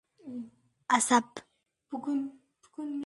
Janubiy Koreyada "Kalmar o‘yini" attraksioni ochildi